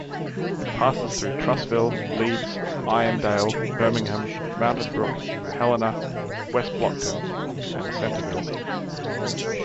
It passes through Trussville, Leeds, Irondale, Birmingham, Mountain Brook, Helena, West Blocton, and Centreville.